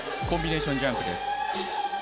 コンビネーションジャンプ。